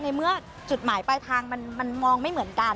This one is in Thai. ในเมื่อจุดหมายปลายทางมันมองไม่เหมือนกัน